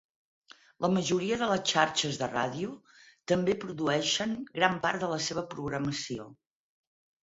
La majoria de les xarxes de ràdio també produeixen gran part de la seva programació.